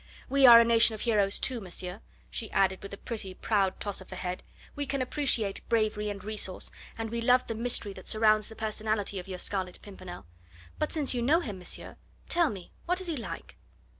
We are a nation of heroes, too, monsieur," she added with a pretty, proud toss of the head; "we can appreciate bravery and resource, and we love the mystery that surrounds the personality of your Scarlet Pimpernel. But since you know him, monsieur, tell me what is he like?"